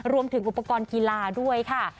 รวมถึงอุปกรณ์กีฬาด้วยค่ะ